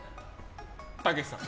たけしさん。